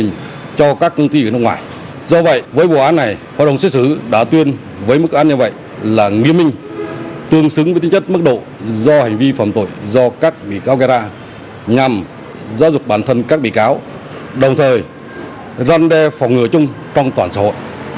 hội đồng xét xử đã tuyên với mức án như vậy là nghiêm minh tương xứng với tính chất mức độ do hành vi phẩm tội do các bị cáo gây ra nhằm giáo dục bản thân các bị cáo đồng thời răn đe phòng ngừa chung trong toàn xã hội